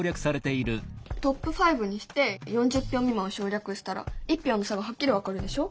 トップ５にして４０票未満は省略したら１票の差がはっきり分かるでしょ？